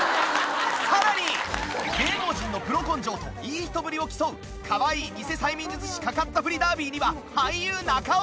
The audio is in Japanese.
さらに芸能人のプロ根性といい人ぶりを競うかわいいニセ催眠術師かかったふりダービーには俳優中尾！